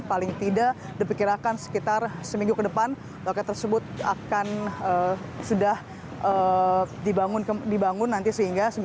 paling tidak diperkirakan sekitar seminggu ke depan loket tersebut akan sudah dibangun nanti sehingga